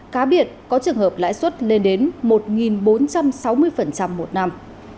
cá biệt có trường hợp lãi suất lên đến một bốn trăm sáu mươi phần trăm một năm